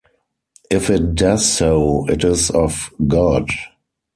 If it does so, it is of God.